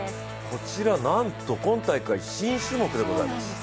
こちら、なんと今大会新種目でございます。